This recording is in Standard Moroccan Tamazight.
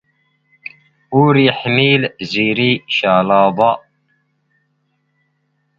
ⵓⵔ ⵉⵃⵎⵉⵍ ⵣⵉⵔⵉ ⵛⴰⵍⴰⴹⴰ ⴰ.